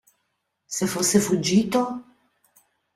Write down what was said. Se fosse fuggito?